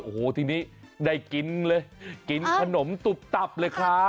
โอ้โหทีนี้ได้กินเลยกินขนมตุบตับเลยครับ